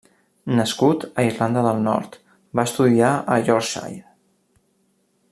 Nascut a Irlanda del Nord, va estudiar al Yorkshire.